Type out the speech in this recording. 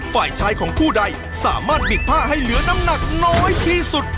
ฝ่ายชายของผู้ใดสามารถบิดผ้าให้เหลือน้ำหนักน้อยที่สุด